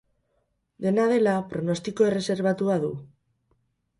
Dena dela, pronostiko erreserbatua du.